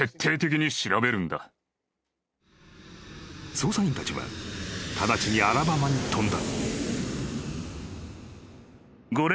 ［捜査員たちは直ちにアラバマに飛んだ］